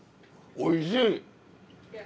おいしいよ。